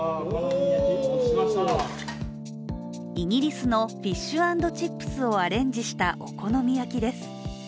イギリスのフィッシュアンドチップスをアレンジしたお好み焼きです。